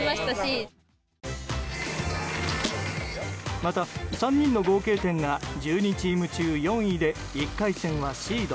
また、３人の合計点が１２チーム中４位で１回戦はシード。